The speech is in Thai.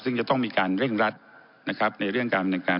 ซึ่งจะต้องมีการเร่งรัดนะครับในเรื่องการดำเนินการ